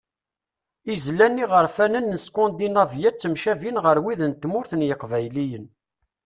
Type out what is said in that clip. Izlan iɣerfanen n Skandinavya ttemcabin ɣer wid n tmurt n yiqbayliyen.